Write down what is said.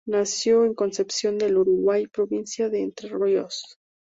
Nació en Concepción del Uruguay, provincia de Entre Ríos.